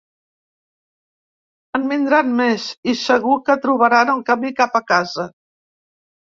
En vindran més, i segur que trobaran el camí cap a casa.